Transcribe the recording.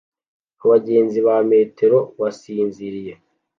Abagenzi ba metero basinziriye